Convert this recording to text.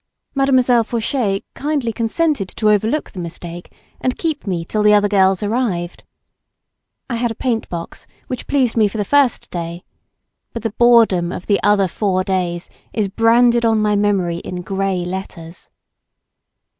Mademoiselle Fauchet kindly consented to overlook the mistake and keep me till the other girls arrived. I had a paintbox which pleased me for the first day, but the boredom of the other four days is branded on my memory in grey letters.